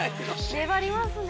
粘りますね。